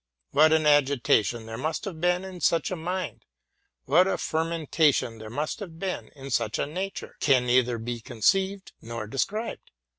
What an agitation there must have been in such a mind, what a fer mentation there must have been in such a nature, can neither be conceived nor described.